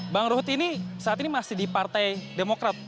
bang ruhut ini saat ini masih di partai demokrat